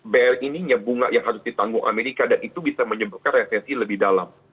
bl ininya bunga yang harus ditanggung amerika dan itu bisa menyebutkan resesi lebih dalam